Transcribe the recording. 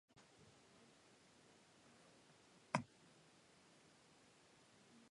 こんな文章が表示されたって、うまく読み上げられるわけがないじゃないか